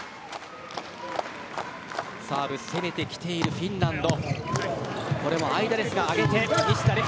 サーブ攻めてきているフィンランド。